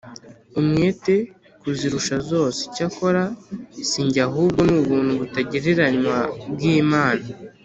umwete kuzirusha zose Icyakora si jye ahubwo ni ubuntu butagereranywa bw Imana